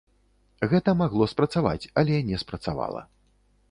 Гэта магло спрацаваць, але не спрацавала.